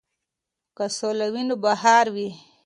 که سوله وي نو بهار وي.